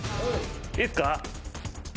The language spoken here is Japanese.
いいっすか？